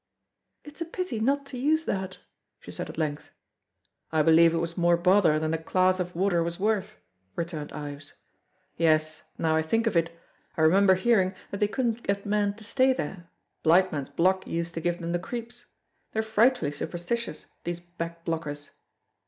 "It's a pity not to use the hut," she said at length. "I believe it was more bother than the class of water was worth," returned Ives. "Yes, now I think of it, I remember hearing that they couldn't get men to stay there. Blind Man's Block used to give them the creeps. They're frightfully superstitious, these back blockers!"